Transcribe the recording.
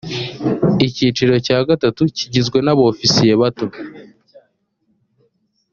icyiciro cya gatatu kigizwe n’ abofisiye bato